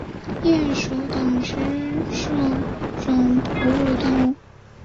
鼹属等之数种哺乳动物。